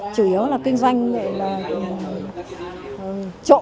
chủ yếu là kinh doanh